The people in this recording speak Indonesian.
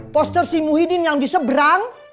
poster si muhyiddin yang diseberang